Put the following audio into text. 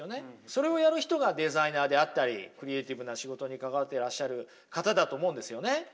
それをやる人がデザイナーであったりクリエイティブな仕事に関わってらっしゃる方だと思うんですよね。